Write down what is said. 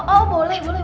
oh boleh boleh